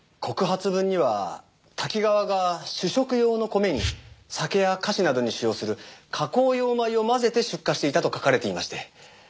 告発文にはタキガワが主食用の米に酒や菓子などに使用する加工用米を混ぜて出荷していたと書かれていまして。